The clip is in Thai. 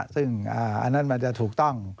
ซึ่งอันนั้นมันจะถูกต้อง